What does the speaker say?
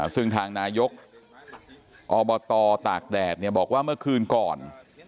ซึ่งทางนายกอบตตากแดดบอกว่าเมื่อคืนก่อน